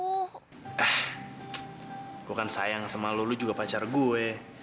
eh gue kan sayang sama lulu juga pacar gue